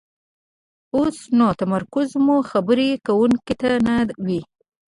اوسو نو تمرکز مو خبرې کوونکي ته نه وي،